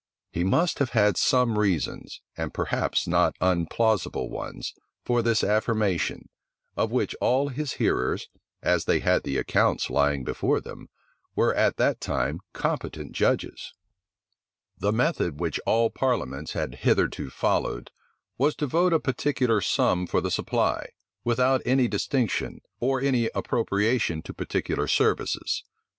He must have had some reasons, and perhaps not unplausible ones, for this affirmation, of which all his hearers, as they had the accounts lying before them, were at that time competent judges.[*] * See note B, at the end of the volume. The method which all parliaments had hitherto followed, was to vote a particular sum for the supply, without any distinction, or any appropriation to particular services.